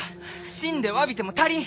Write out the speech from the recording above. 死んでわびても足りん！